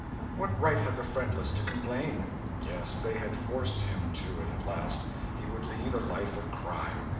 What right had the friendless to complain? Yes, they had forced him to it at last: he would lead a life of crime.